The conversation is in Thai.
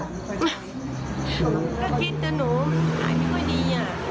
ก็คิดนะน้องขายไม่ดี